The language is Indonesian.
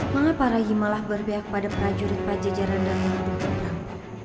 mengapa raih malah berpihak pada prajurit pajajaranda yang membunuh orang